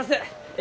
え